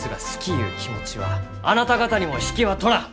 ゆう気持ちはあなた方にも引けはとらん！